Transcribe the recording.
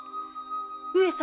上様。